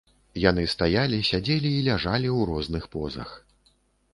Яны стаялі, сядзелі і ляжалі ў розных позах.